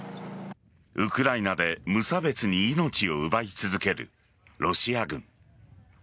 ウクライナで無差別に命を奪い続けるロシア軍。